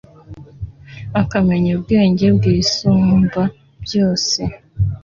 Akamenya ubwenge bw’Isumbabyose, ..